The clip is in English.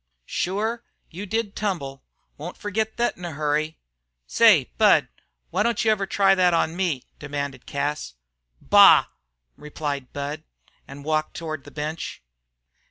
Shure, you did tumble won't forgit thet in a hurry." "Say, Budd, why don't you ever try that on me?" demanded Cas. "Bah!" replied Budd, and walked toward the bench.